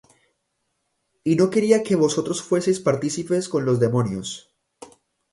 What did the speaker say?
y no querría que vosotros fueseis partícipes con los demonios.